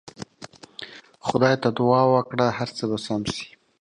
خدای ته دعا وکړه هر څه به سم سي.